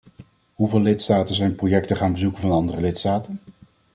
Hoeveel lidstaten zijn projecten gaan bezoeken van andere lidstaten?